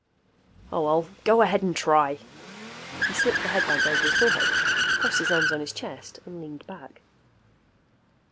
"Oh, well, go ahead and try." He slipped the headband over his forehead, crossed his arms on his chest and leaned back.